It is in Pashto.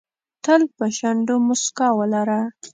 تل په شونډو موسکا ولره .